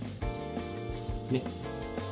ねっ。